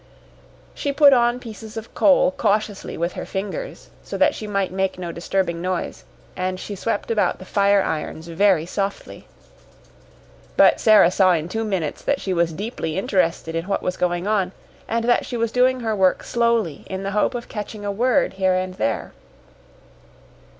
She put on pieces of coal cautiously with her fingers so that she might make no disturbing noise, and she swept about the fire irons very softly. But Sara saw in two minutes that she was deeply interested in what was going on, and that she was doing her work slowly in the hope of catching a word here and there.